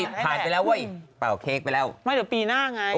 ผ่านไปแล้วเว้ยเป่าเค้กไปแล้วไม่เดี๋ยวปีหน้าไง